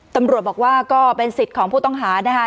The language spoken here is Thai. ตำรวจบอกว่าก็เป็นสิทธิ์ของผู้ต้องหานะคะ